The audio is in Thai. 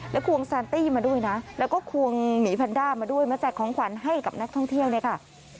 ควงแซนตี้มาด้วยนะแล้วก็ควงหมีแพนด้ามาด้วยมาแจกของขวัญให้กับนักท่องเที่ยวเนี่ยค่ะ